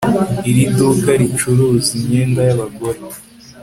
Iri duka ricuruza imyenda yabagore